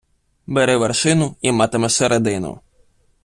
Бери вершину і матимеш середину.